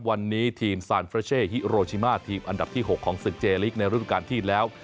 วันนี้ทีมซานเฟรเช่ฮิโรชิมาทีมอันดับที่๖ของศึกเจลิกในฤดูการที่แล้ว